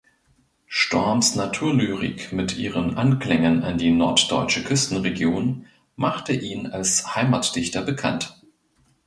Storms Naturlyrik mit ihren Anklängen an die norddeutsche Küstenregion machte ihn als Heimatdichter bekannt.